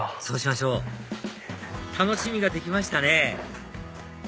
そうしましょう楽しみができましたね！